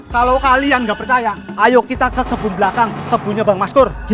kalau kalian nggak percaya ayo kita ke kebun belakang kebunnya bang maskur